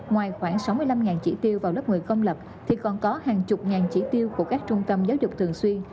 ngoài khoảng sáu mươi năm chỉ tiêu vào lớp một mươi công lập thì còn có hàng chục ngàn chỉ tiêu của các trung tâm giáo dục thường xuyên